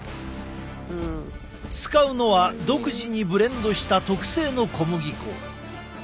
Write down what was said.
使うのは独自にブレンドした特製の小麦粉。